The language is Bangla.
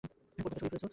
পর্দাটা সরিয়ে ফেলেছ?